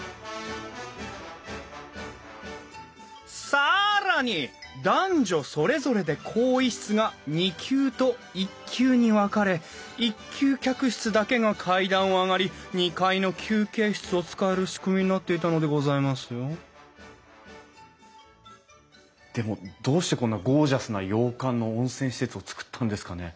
更に男女それぞれで更衣室が２級と１級に分かれ１級客室だけが階段を上がり２階の休憩室を使える仕組みになっていたのでございますよでもどうしてこんなゴージャスな洋館の温泉施設をつくったんですかね？